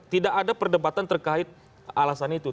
tidak ada perdebatan terkait alasan itu